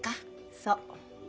そう。